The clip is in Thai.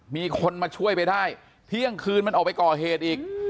มีคนมาช่วยไปได้เที่ยงคืนมันออกไปก่อเหตุอีก